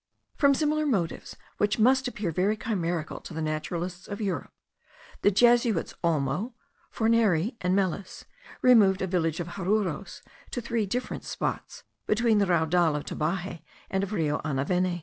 From similar motives, which must appear very chimerical to the naturalists of Europe, the Jesuits Olmo, Forneri, and Mellis, removed a village of Jaruros to three different spots, between the Raudal of Tabaje and the Rio Anaveni.